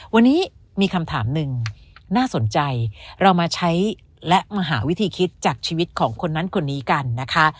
วันนี้มีคำถามหนึ่งน่าสนใจเรามาใช้และมาหาวิธีคิดจากชีวิตของคนนั้นคนนี้กันนะคะ